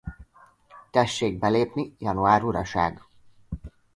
Tessék belépni, Január uraság!